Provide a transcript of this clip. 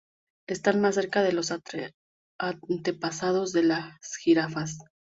Están más cerca de los antepasados de las jirafas.